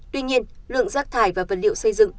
tuy nhiên lượng rác thải và vật liệu xây dựng